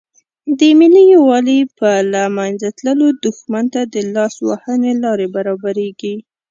د ملي یووالي په له منځه تللو دښمن ته د لاس وهنې لارې برابریږي.